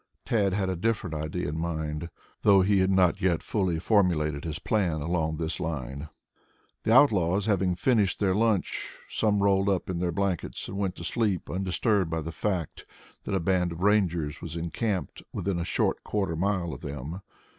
Tad had a different idea in mind, though he had not yet fully formulated his plans along this line. The outlaws having finished their lunch, some rolled up in their blankets and went to sleep undisturbed by the fact that a band of Rangers was encamped within a short quarter of a mile of them.